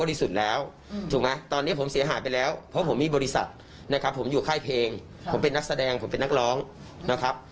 ที่สุดแล้วถูกไหมตอนนี้ผมเสียหายไปแล้วเพราะผมมีบริษัทนะครับผมอยู่ค่ายเพลงผมเป็นนักแสดงผมเป็นนักร้องนะครับ